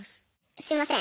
すいません